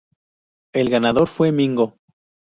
El ganador fue Mingo.